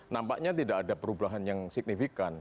nampaknya tidak ada perubahan yang signifikan